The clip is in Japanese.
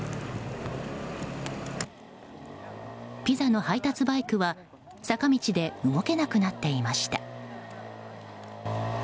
ピザの配達バイクは坂道で動けなくなっていました。